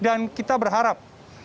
dan kita berharap